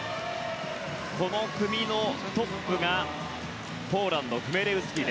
この組のトップがポーランド、フミレウスキ。